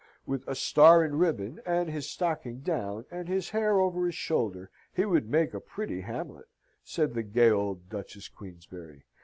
"With a star and ribbon, and his stocking down, and his hair over his shoulder, he would make a pretty Hamlet," said the gay old Duchess Queensberry.